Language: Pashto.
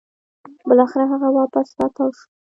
بلاخره هغه واپس راتاو شوه